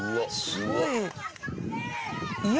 すごい家？